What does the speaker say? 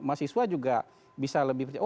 mahasiswa juga bisa lebih